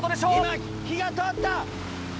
今火が通った！